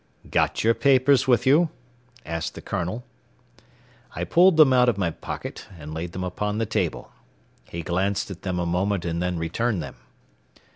"Got your papers with you?" asked the colonel. I pulled them out of my pocket and laid them upon the table. He glanced at them a moment and then returned them.